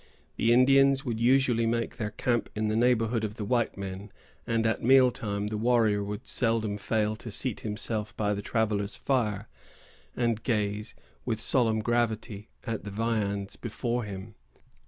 The Indians would usually make their camp in the neighborhood of the white men; and at meal time the warrior would seldom fail to seat himself by the traveller's fire, and gaze with solemn gravity at the viands before him.